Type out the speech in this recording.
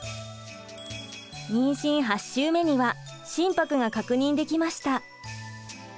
妊娠８週目には心拍が確認できました。